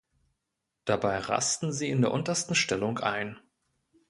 Dabei rasten sie in der untersten Stellung ein.